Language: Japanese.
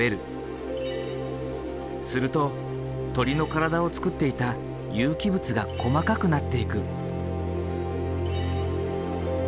すると鳥の体をつくっていた有機物が細かくなっていく。